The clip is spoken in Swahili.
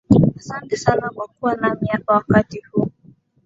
Asante sana kwa kuwa nami hapa wakati hu